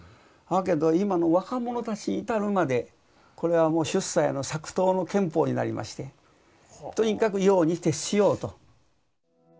だけど今の若者たちに至るまでこれはもう出西の作陶の憲法になりましてとにかく用に徹しようと。